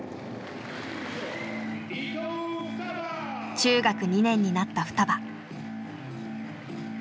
中学２年になったふたば。